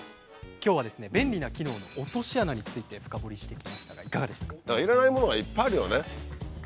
今日はですね便利な機能の落とし穴について深掘りしてきましたがいかがでしたか？